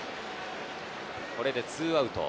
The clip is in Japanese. これで２アウト。